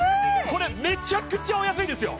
これめちゃくちゃお安いですよ